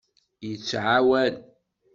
Yettɛawan.